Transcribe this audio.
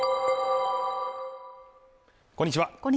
こんにちは